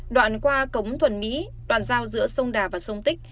đoạn qua cống thuần mỹ đoàn giao giữa sông đà và sông tích